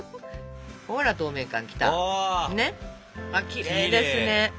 きれいですね。